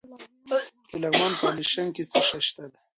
د لغمان په علیشنګ کې څه شی شته؟